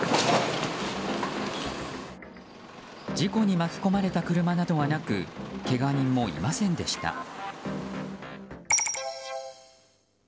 事故に巻き込まれた車などはなくけが人もいませんでした。